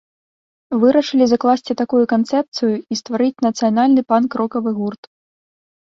Вырашылі закласці такую канцэпцыю і стварыць нацыянальны панк-рокавы гурт.